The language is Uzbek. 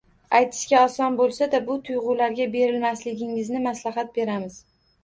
Aytishga oson bo‘lsa-da, bu tuyg‘ularga berilmasligingizni maslahat beramiz.